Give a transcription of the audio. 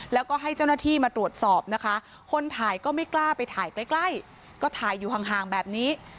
แล้วก็ให้เจ้าหน้าที่มาตรวจสอบนะคะคนถ่ายก็ไม่กล้าไปถ่ายใกล้ใกล้ก็ถ่ายอยู่ห่างแบบนี้